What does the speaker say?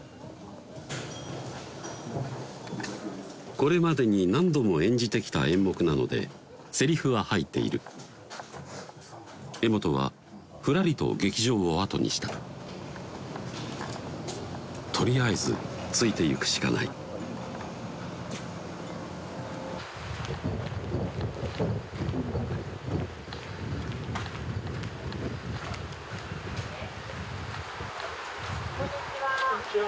これまでに何度も演じてきた演目なので台詞は入っている柄本はふらりと劇場を後にしたとりあえずついてゆくしかないこんにちはこんにちは